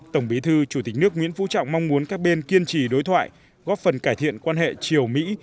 tổng bí thư chủ tịch nước nguyễn phú trọng mong muốn các bên kiên trì đối thoại góp phần cải thiện quan hệ triều mỹ